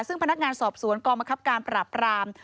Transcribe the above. ซึ่งพนักงานสอบสวนกองบังคับการปราบราม